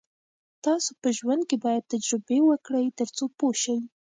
تاسو په ژوند کې باید تجربې وکړئ تر څو پوه شئ.